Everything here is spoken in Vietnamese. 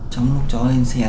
cháu lúc cháu lên xe